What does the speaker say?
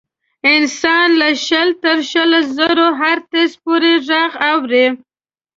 انسان له شل تر شل زرو هرتز پورې غږ اوري.